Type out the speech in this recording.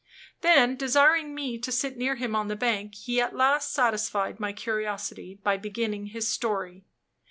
Then, desiring me to sit near him on the bank, he at last satisfied my curiosity by beginning his story.